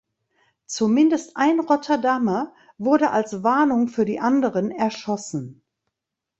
Zumindest ein Rotterdamer wurde als Warnung für die anderen erschossen.